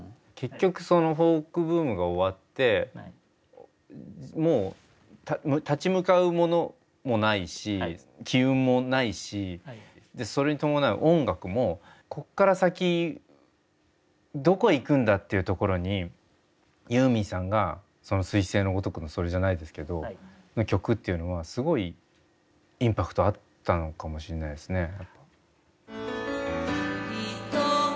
結局フォークブームが終わってもう立ち向かうものもないし機運もないしそれに伴う音楽もこっから先どこ行くんだっていうところにユーミンさんがすい星のごとくのそれじゃないですけど曲っていうのはすごいインパクトあったのかもしんないですね。